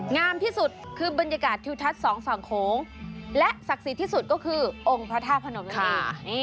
งามที่สุดคือบรรยากาศทิวทัศน์สองฝั่งโขงและศักดิ์สิทธิ์ที่สุดก็คือองค์พระธาตุพนมวดี